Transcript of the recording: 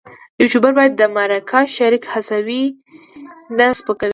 یوټوبر باید د مرکه شریک هڅوي نه سپکوي.